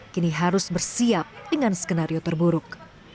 kini harus bersiap dengan skenario terburuk